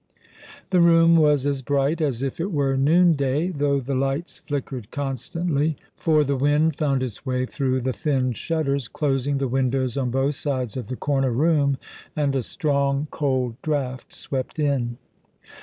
The room was as bright as if it were noonday, though the lights flickered constantly, for the wind found its way through the thin shutters closing the windows on both sides of the corner room, and a strong, cold draught swept in.